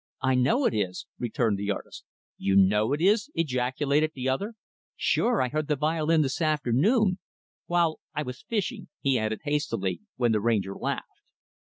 "I know it is," returned the artist. "You know it is!" ejaculated the other. "Sure I heard the violin this afternoon. While I was fishing," he added hastily, when the Ranger laughed.